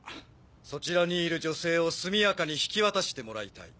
そちらにいる女性を速やかに引き渡してもらいたい。